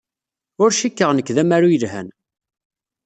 Ur cikkeɣ nekk d amaru yelhan.